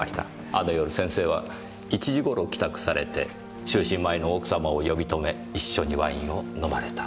あの夜先生は１時頃帰宅されて就寝前の奥様を呼び止め一緒にワインを飲まれた。